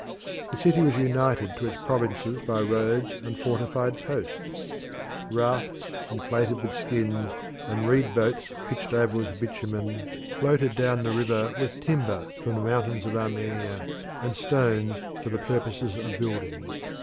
The city was united to its provinces by roads and fortified posts; rafts inflated with skins, and reed boats pitched over with bitumen, floated down the river with timber from the mountains of Armenia and stones for the purposes of building.